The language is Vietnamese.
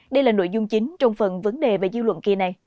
đây là nội dung chính trong phần vấn đề về dư luận kia này